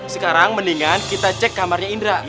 sekarang mendingan kita cek kamarnya indra